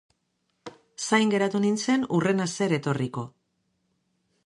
Zain geratu nintzen, hurrena zer etorriko.